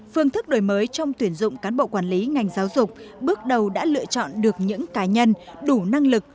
phương thức đổi mới trong tuyển dụng cán bộ quản lý ngành giáo dục bước đầu đã lựa chọn được những cá nhân đủ năng lực